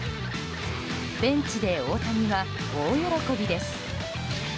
ベンチで大谷は大喜びです。